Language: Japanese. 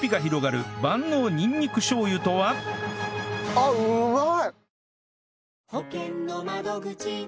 あっうまい！